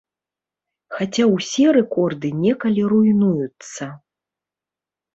Хаця ўсе рэкорды некалі руйнуюцца.